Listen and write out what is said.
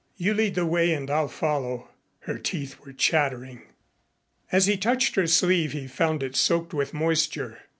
You lead the way and I'll follow." Her teeth were chattering. As he touched her sleeve he found it soaked with moisture.